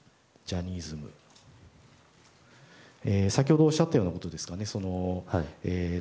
先ほどおっしゃったようなことですかね。